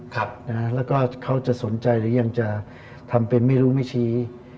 แล้วก็เขาจะสนใจหรือยังจะทำเป็นไม่รู้ไม่ชี้